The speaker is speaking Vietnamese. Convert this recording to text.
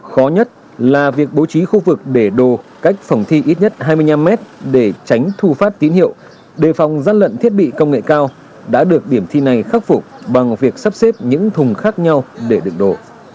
khó nhất là việc bố trí khu vực để đồ cách phòng thi ít nhất hai mươi năm mét để tránh thu phát tín hiệu đề phòng gian lận thiết bị công nghệ cao đã được điểm thi này khắc phục bằng việc sắp xếp những thùng khác nhau để đựng đổ